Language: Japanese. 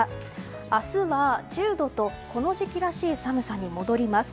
明日は１０度とこの時期らしい寒さに戻ります。